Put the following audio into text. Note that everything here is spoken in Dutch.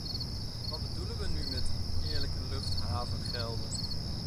Wat bedoelen we nu met eerlijke luchthavengelden?